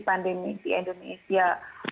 pandemi di indonesia